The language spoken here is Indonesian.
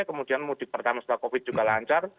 kemudian mudik pertama setelah covid juga lancar